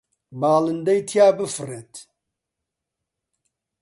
باڵندەی تیا بفڕێت